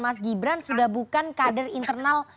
mas gibran sudah bukan kader internal